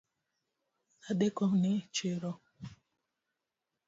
Adekone chiro